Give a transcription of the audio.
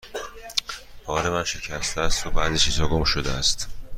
بار من شکسته است و بعضی چیزها گم شده است.